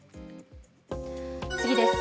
次です。